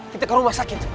kita ke rumah sakit